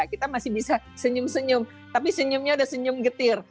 kita masih bisa senyum senyum tapi senyumnya udah senyum getir